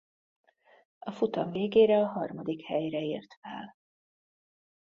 A futam végére a harmadik helyre ért fel.